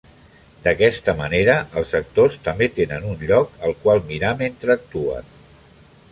D'aquesta manera, els actors també tenen un lloc al qual mirar mentre actuen.